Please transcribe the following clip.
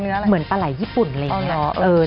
เหมือนปลาไหล่ญี่ปุ่นอะไรอย่างนี้